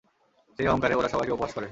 সেই অহংকারে, ওরা সবাইকে উপহাস করে।